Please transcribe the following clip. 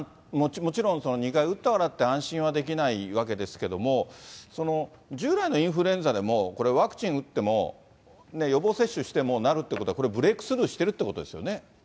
もちろん２回打ったからって、安心はできないわけですけども、従来のインフルエンザでも、これ、ワクチン打っても、予防接種してもなるっていうことはこれ、ブレークスルーしてるということですよね。